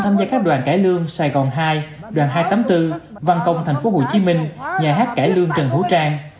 tham gia các đoàn cải lương sài gòn hai đoàn hai trăm tám mươi bốn văn công tp hcm nhà hát cải lương trần hữu trang